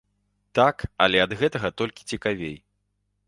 Так, але ад гэтага толькі цікавей.